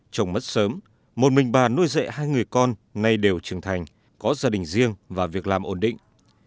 chồng mất sớm một mình bà nuôi dạy hai người con nay đều trưởng thành có gia đình riêng và việc làm ổn định